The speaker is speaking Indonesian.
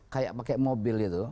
kayak pakai mobil gitu